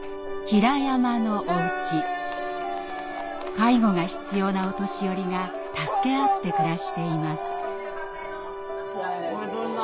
介護が必要なお年寄りが助け合って暮らしています。